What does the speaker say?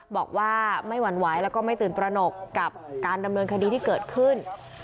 บอกว่าไม่หวั่นไหวแล้วก็ไม่ตื่นตระหนกกับการดำเนินคดีที่เกิดขึ้น